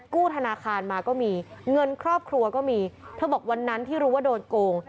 ธนาคารมาก็มีเงินครอบครัวก็มีเธอบอกวันนั้นที่รู้ว่าโดนโกง